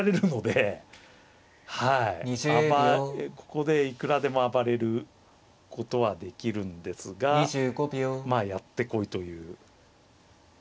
ここでいくらでも暴れることはできるんですがまあやってこいという。